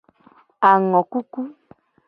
Angokuku.